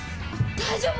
大丈夫か？